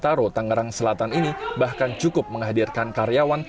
taro tangerang selatan ini bahkan cukup menghadirkan karyawan